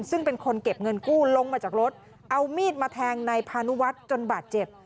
ซึ่งเป็นคนเก็บเงินกู้ลงมาจากรถเอามีดมาแทงนายพานุวัฒน์จนบาดเจ็บ